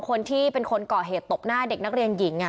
คนที่เป็นคนก่อเหตุตบหน้าเด็กนักเรียนหญิง